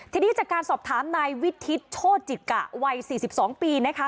ทีนี้จากการสอบถามนายวิทิศโชจิตกะวัย๔๒ปีนะคะ